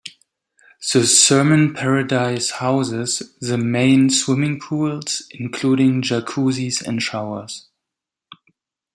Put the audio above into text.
The Thermenparadies houses the main swimming pools, including jacuzzis and showers.